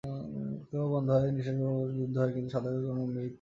রক্তপ্রবাহ বন্ধ হয়, নিঃশ্বাস-প্রশ্বাসও রুদ্ধ হয়, কিন্তু সাধকের তো মৃত্যু হয় না।